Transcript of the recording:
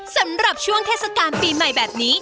สำหรับช่วงเทศกาลปีใหม่แบบนี้